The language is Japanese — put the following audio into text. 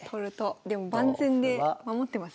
でも万全で守ってますよ